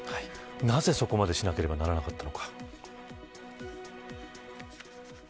なぜそこまでしなければならなかったのか。